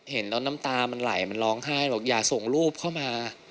เห็นแล้วน้ำตามันไหลมันร้องไห้บอกอย่าส่งรูปเข้ามา